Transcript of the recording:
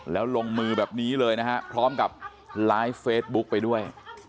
แล้วลงมือแบบนี้เลยนะฮะพร้อมกับไลฟ์เฟซบุ๊กไปด้วย